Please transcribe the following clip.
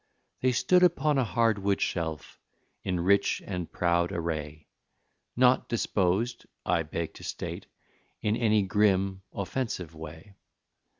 They stood upon a hardwood shelf, in rich and proud array, Not disposed, I beg to state, in any grim, offensive way.